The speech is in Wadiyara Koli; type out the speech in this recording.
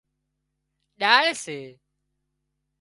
ڏاۯ سي